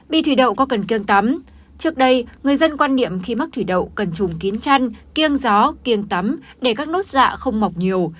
bị thủy đậu qua cần kiêng tắm trước đây người dân quan niệm khi mắc thủy đậu cần trùng kín chăng gió kiêng tắm để các nốt dạ không mọc nhiều